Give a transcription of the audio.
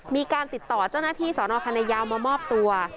มีการติดต่อเจ้าหน้าที่สอนอคณะยาวมามอบตัว